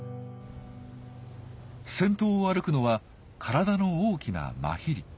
先頭を歩くのは体の大きなマヒリ。